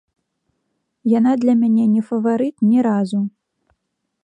Яна для мяне не фаварыт ні разу.